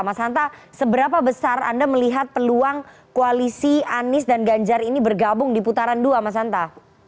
mas hanta seberapa besar anda melihat peluang koalisi anies dan ganjar ini bergabung di putaran dua mas hanta